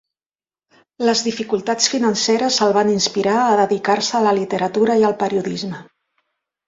Les dificultats financeres el van inspirar a dedicar-se a la literatura i el periodisme.